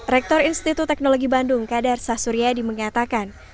rektor institut teknologi bandung kadar sasurya dimengatakan